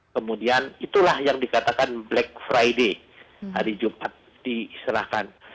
kemudian itulah yang dikatakan black friday hari jumat diserahkan